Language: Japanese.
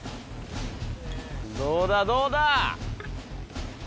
どうだどうだ？